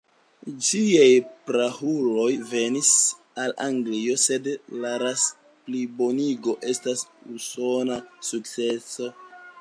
Ĝiaj prauloj venis el Anglio, sed la ras-plibonigo estas usona sukceso.